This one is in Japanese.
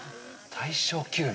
大正９年？